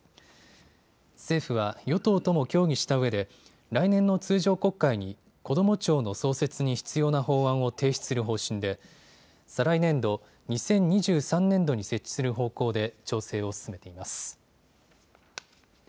政府は与党とも協議したうえで来年の通常国会にこども庁の創設に必要な法案を提出する方針で再来年度２０２３年度に設置する方向で調整を進めています。